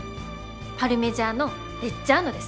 パルミジャーノ・レッジャーノです。